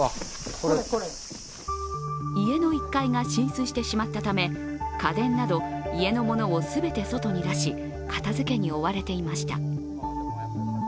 家の１階が浸水してしまったため家電など家のものを全て外に出し片づけに追われていました。